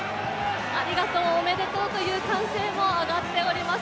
ありがとう、おめでとうという歓声も上がっています。